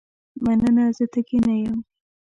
مننه زه تږې نه یم.